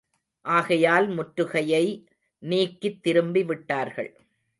ஆகையால் முற்றுகையை நீக்கித் திரும்பி விட்டார்கள்.